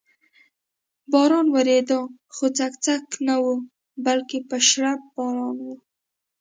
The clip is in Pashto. باران ورېده، خو څک څک نه و، بلکې په شړپ باران و.